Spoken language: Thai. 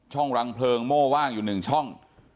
รังเพลิงโม่ว่างอยู่๑ช่อง